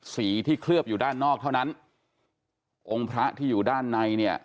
สีที่เคลือบอยู่ด้านนอกเท่านั้นองค์พระที่อยู่ด้านในเนี่ย